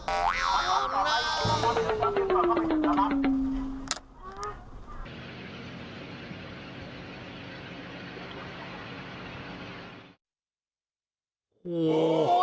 โอ้โห